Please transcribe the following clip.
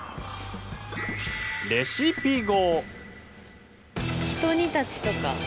レシピ語。